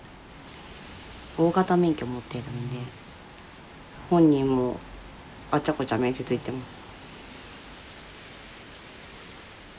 大型免許持ってるんで本人もあっちゃこっちゃ面接行ってます。